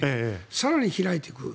更に開いていく。